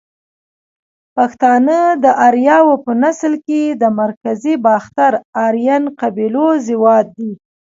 پښتانه ده اریاو په نسل کښی ده مرکزی باختر آرین قبیلو زواد دی